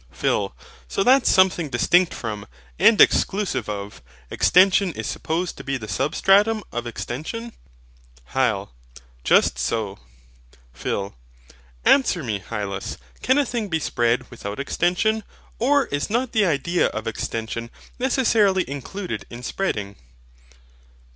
PHIL. So that something distinct from, and exclusive of, extension is supposed to be the SUBSTRATUM of extension? HYL. Just so. PHIL. Answer me, Hylas. Can a thing be spread without extension? or is not the idea of extension necessarily included in SPREADING?